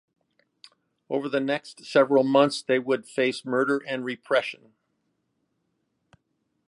Over the next several months they would face murder and repression.